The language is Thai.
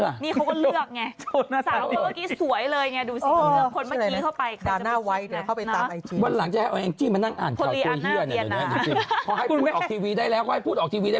เฮ้ทำไมไม่ต้องชี้หน้าหนูหนูแบบอ่อนไหวครับคุณแม่